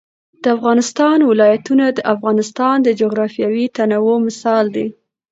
د افغانستان ولايتونه د افغانستان د جغرافیوي تنوع مثال دی.